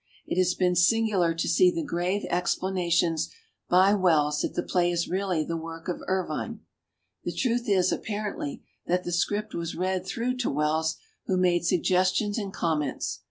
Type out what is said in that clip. It has been singular to see the grave explanations by Wells that the play is really the work of Ervine. The truth is, ap parently, that the script was read through to Wells, who made sugges tions and comments.